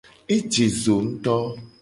Eje zo ngto.